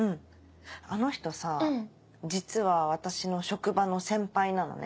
あの人さ実は私の職場の先輩なのね。